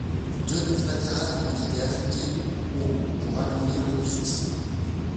Deux nefs latérales ont été ajoutées aux pour agrandir l'édifice.